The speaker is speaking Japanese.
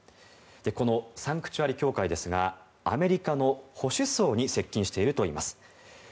このサンクチュアリ教会ですがアメリカの保守層に接近しているといいます。